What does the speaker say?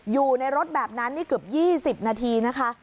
อยู่ในรถแบบนั้นนี่เกือบ๒๐นาทีนะคะ